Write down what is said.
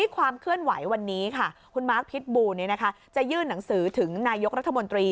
ความเคลื่อนไหววันนี้ค่ะคุณมาร์คพิษบูจะยื่นหนังสือถึงนายกรัฐมนตรี